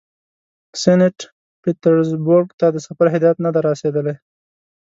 سینټ پیټرزبورګ ته د سفر هدایت نه دی را رسېدلی.